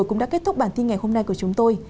cũng đã kết thúc bản tin ngày hôm nay của chúng tôi